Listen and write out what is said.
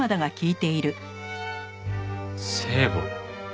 聖母？